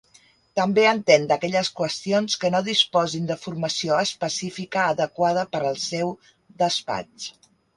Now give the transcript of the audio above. També entén d'aquelles qüestions que no disposin de formació específica adequada per al seu despatx.